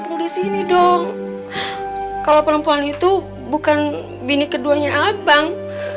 ya ampun disini dong kalau perempuan itu bukan bini keduanya abang